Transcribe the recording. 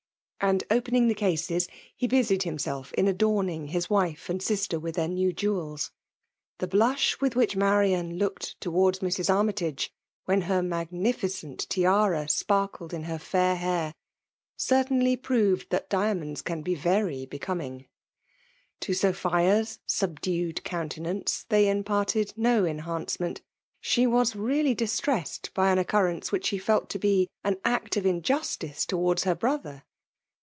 *' And cpemng Ihe cases, he busied himself in adorning his wife and sister with their new jewels. Hie hhish with which Marian looked towards Mrs. Armytage, when her magnificent tiara spaxUed in her fair hair, certainly proved that diamonds om be very becoming. To Sophia^s subdued tsountenance they imparted no eidmnceasent. She was really distressed by an occurrence which she felt to be an act of injustice towards her brother.